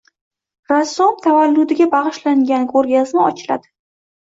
Rassom tavalludiga bag‘ishlangan ko‘rgazma ochiladi.